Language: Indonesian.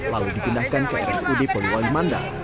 lalu dipindahkan ke rsud poliwali manda